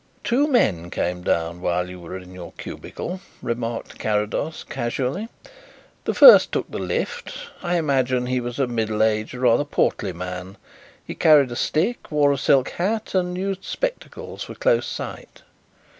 "Two men came down while you were in your cubicle," remarked Carrados casually. "The first took the lift. I imagine that he was a middle aged, rather portly man. He carried a stick, wore a silk hat, and used spectacles for close sight.